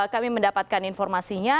kami mendapatkan informasinya